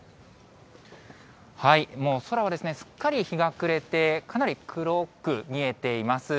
もう空はすっかり日が暮れて、かなり黒く見えています。